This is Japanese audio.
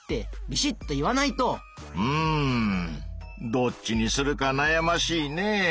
どっちにするかなやましいねぇ。